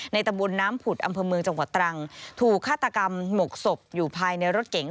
ตะบนน้ำผุดอำเภอเมืองจังหวัดตรังถูกฆาตกรรมหมกศพอยู่ภายในรถเก๋ง